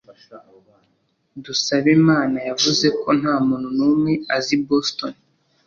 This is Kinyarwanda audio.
Dusabemana yavuze ko nta muntu n'umwe azi i Boston.